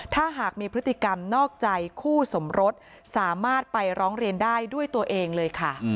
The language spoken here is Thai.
ถ้าหากมีพฤติกรรมนอกใจคู่สมรสสามารถไปร้องเรียนได้ด้วยตัวเองเลยค่ะ